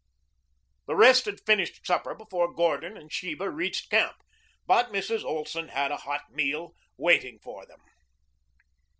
The rest had finished supper before Gordon and Sheba reached camp, but Mrs. Olson had a hot meal waiting for them.